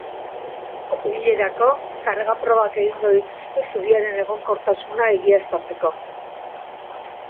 Apirilerako, karga probak egingo dituzte zubiaren egonkortasuna egiaztatzeko.